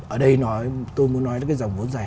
ở đây tôi muốn nói là cái dòng vốn dài